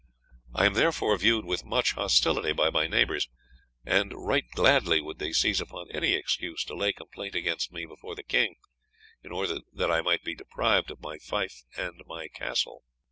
I am therefore viewed with much hostility by my neighbours, and right gladly would they seize upon any excuse to lay complaint against me before the king, in order that I might be deprived of my fief and castle.